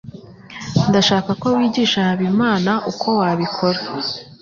Ndashaka ko wigisha Habimana uko wabikora.